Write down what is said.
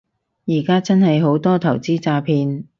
而家真係好多投資詐騙